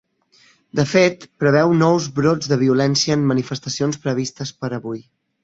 De fet, preveu nous ‘brots de violència’ en manifestacions previstes per avui.